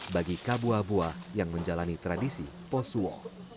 bagi kabua buah yang menjalani tradisi posuo